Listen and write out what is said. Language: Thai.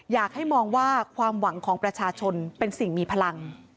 อยากให้มองว่าความหวังของประชาชนเป็นสิ่งมีพลัง